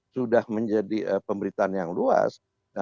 sudah menjadi pemberitaan yang luas